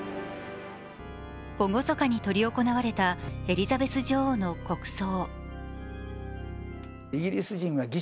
厳かに執り行われたエリザベス女王の国葬。